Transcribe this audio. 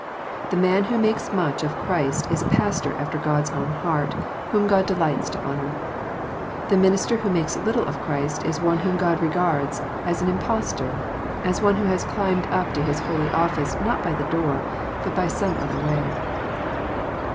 The man who makes much of Christ is a pastor after God's own heart, whom God delights to honour. The minister who makes little of Christ is one whom God regards as an impostor, — ^as one who has climbed up to his holy office not by the door, but by *' some other way."